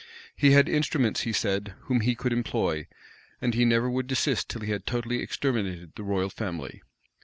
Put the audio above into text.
He had instruments, he said, whom he could employ; and he never would desist till he had totally exterminated the royal family.